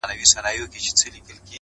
له نمرود څخه د کبر جام نسکور سو!!